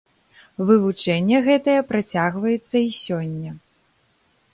Вывучэнне гэтае працягваецца і сёння.